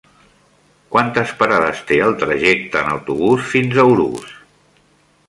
Quantes parades té el trajecte en autobús fins a Urús?